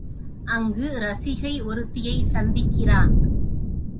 அங்கு ரசிகை ஒருத்தியைச் சந்திக்கிறான்.